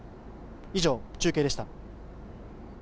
以上、中継でした。